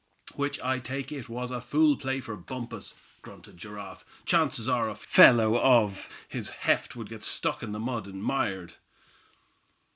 "Which I take it was a fool play for Bumpus," grunted Giraffe. "Chances are a fellow of his heft would get stuck in the mud and mired."